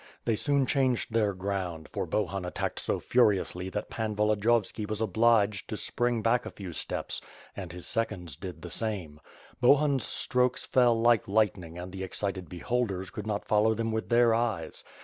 They soon changed their ground, for Bohun attacked so furiously that Pan Volodiyovski was obliged to spring back a few steps, and his seconds did the same. Bohun's strokes fell like lightning and the excited beholders could not fol low them with their eyes.